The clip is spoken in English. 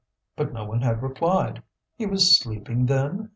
But no one had replied. He was sleeping, then?